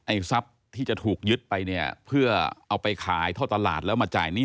ทรัพย์ที่จะถูกยึดไปเนี่ยเพื่อเอาไปขายท่อตลาดแล้วมาจ่ายหนี้